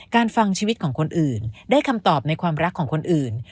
ฟังชีวิตของคนอื่นได้คำตอบในความรักของคนอื่น